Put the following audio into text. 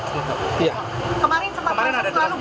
kemarin sempat selalu batal